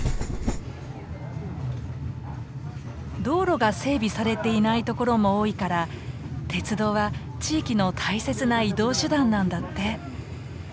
道路が整備されていない所も多いから鉄道は地域の大切な移動手段なんだって。